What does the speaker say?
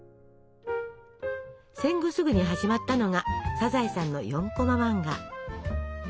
戦後すぐに始まったのが「サザエさん」の４コマ漫画。